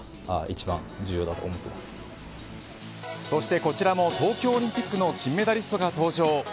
そしてこちらも東京オリンピックの金メダリストが登場。